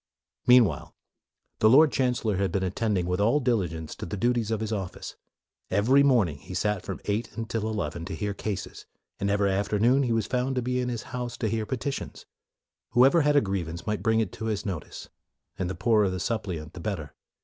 Meanwhile, the Lord Chancellor had been attending, with all diligence, to the duties of his office. Every morning he sat from eight until eleven to hear cases, and every afternoon he was to be found in his house to hear petitions. Whoever had a grievance might bring it to his notice, and the poorer the suppliant the better.